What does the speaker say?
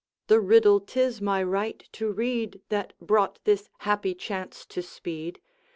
The riddle 'tis my right to read, That brought this happy chance to speed.